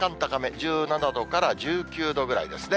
１７度から１９度ぐらいですね。